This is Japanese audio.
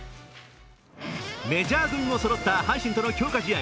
メジャー組もそろった阪神との強化試合。